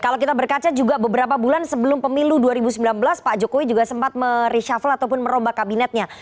kalau kita berkaca juga beberapa bulan sebelum pemilu dua ribu sembilan belas pak jokowi juga sempat mereshuffle ataupun merombak kabinetnya